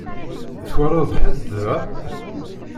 Twalaḍ ḥedd da?